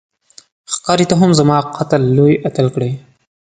ښکاري ته هم زما قتل لوی اتل کړې